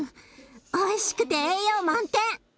おいしくて栄養満点！